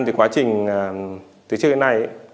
thì quá trình từ trước đến nay